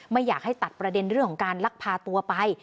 ไม่อยากให้ตัดประเด็นเรื่องของการลักพาตัวไป